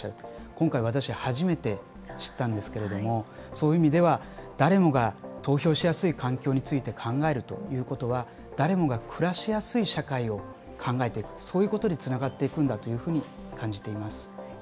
今回、私初めて知ったんですけれどもそういう意味では誰もが投票しやすい環境について考えるということは誰もが暮らしやすい社会を考えていく、そういうことにつながっていくんだというふうに感じています。